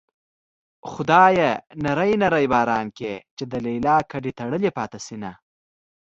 خدايه نری نری باران کړې چې د ليلا ګډې تړلې پاتې شينه